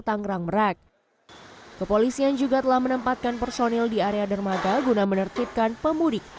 tangerang merak kepolisian juga telah menempatkan personil di area dermaga guna menertibkan pemudik